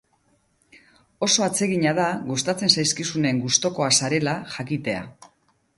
Oso atsegina da gustatzen zaizkizunen gustukoa zarela jakitea.